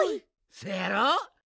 せやろ？